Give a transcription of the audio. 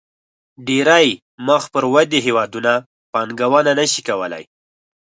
ډېری مخ پر ودې هېوادونه پانګونه نه شي کولای.